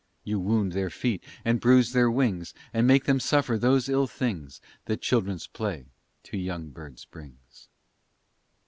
You wound their feet, and bruise their wings, And make them suffer those ill things That children's play to young birds brings.